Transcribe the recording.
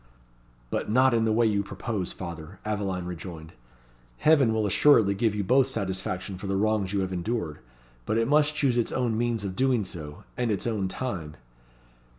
"But not in the way you propose, father," Aveline rejoined. "Heaven will assuredly give you both satisfaction for the wrongs you have endured; but it must choose its own means of doing so, and its own time."